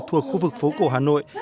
thuộc khu vực phố cổ hà nội